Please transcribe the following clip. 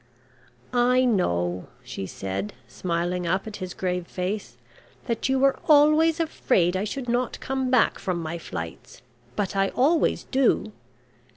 "I know," she said, smiling up at his grave face, "that you were always afraid I should not come back from my flights, but I always do.